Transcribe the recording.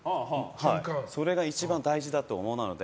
それが一番大事だと思うので。